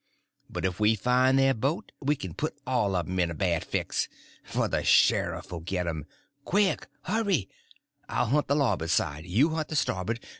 But if we find their boat we can put all of 'em in a bad fix—for the sheriff 'll get 'em. Quick—hurry! I'll hunt the labboard side, you hunt the stabboard.